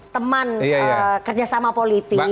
teman kerjasama politik